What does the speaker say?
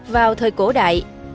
vào thời cổ đại